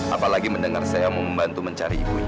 apalagi mendengar saya mau membantu mencari ibunya